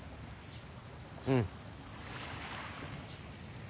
うん。